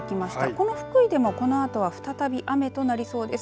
この福井でもこのあとは再び雨になりそうです。